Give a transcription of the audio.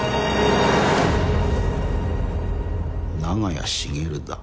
長屋茂だ。